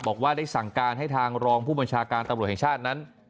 บอกว่าได้สั่งการให้ทางรองผู้บัญชาการตำรวจแห่งชาตินั้น